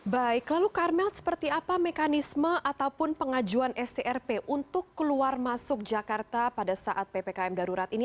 baik lalu karmel seperti apa mekanisme ataupun pengajuan strp untuk keluar masuk jakarta pada saat ppkm darurat ini